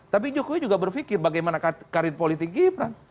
tapi jokowi juga berpikir bagaimana karir politik gibran